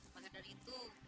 maka dari itu